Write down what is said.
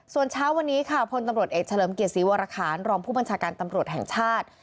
ส่วนเช้าวันนี้ค่ะพลตำรวจเอกเฉลิมเกียรติศรีวรคารรองผู้บัญชาการตำรวจแห่งชาติ